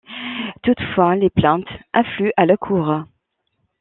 Toutefois, les plaintes affluent à la Cour.